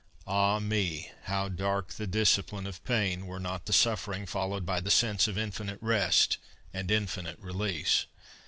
Ah me! how dark the discipline of pain, Were not the suffering followed by the sense Of infinite rest and infinite release!